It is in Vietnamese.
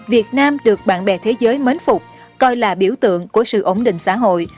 việt nam được bạn bè thế giới mến phục coi là biểu tượng của sự ổn định xã hội